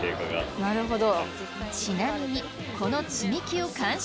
なるほど。